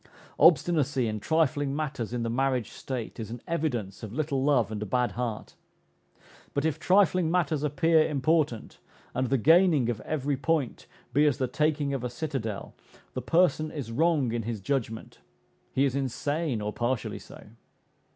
Obstinacy in trifling matters in the marriage state is an evidence of little love and a bad heart; but if trifling matters appear important, and the gaining of every point be as the taking of a citadel, the person is wrong in his judgment; he is insane, or partially so.